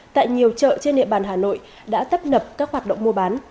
tại nhiều chợ trên địa bàn hà nội đã tấp nập các hoạt động mua bán